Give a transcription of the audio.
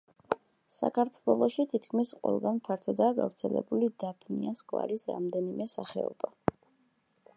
საქართველოში თითქმის ყველგან ფართოდაა გავრცელებული დაფნიას გვარის რამდენიმე სახეობა.